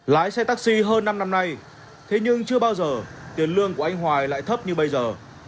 lái xe taxi hơn năm năm nay thế nhưng chưa bao giờ tiền lương của anh hoài lại thấp như bây giờ